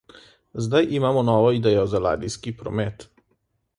Zdaj imamo novo idejo za ladijski promet.